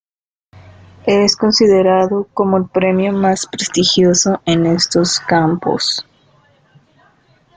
Es considerado como el premio más prestigioso en estos campos.